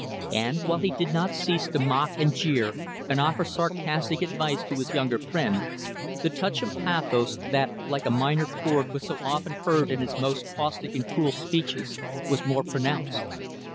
And, while he did not cease to mock and jeer and offer sarcastic advice to his younger friend, the touch of pathos that, like a minor chord, was so often heard in his most caustic and cruel speeches was more pronounced.